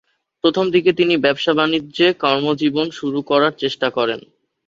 প্রথম দিকে তিনি ব্যবসা-বাণিজ্যে কর্মজীবন শুরু করার চেষ্টা করেন।